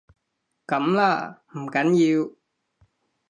噉啦，唔緊要